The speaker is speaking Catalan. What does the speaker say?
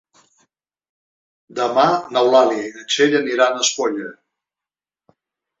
Demà n'Eulàlia i na Txell aniran a Espolla.